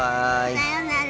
さようなら。